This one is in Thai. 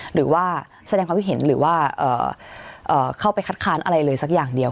หรือว่าแสดงความคิดเห็นหรือว่าเข้าไปคัดค้านอะไรเลยสักอย่างเดียว